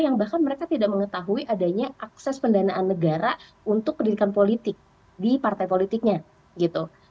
yang bahkan mereka tidak mengetahui adanya akses pendanaan negara untuk pendidikan politik di partai politiknya gitu